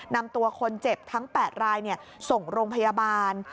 นำตัวคนเจ็บทั้ง๘รายส่งโรงพยาบาล